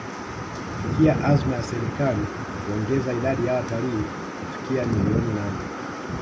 kufikia azma ya Serikali kuongeza idadi ya watalii kufikia milioni nane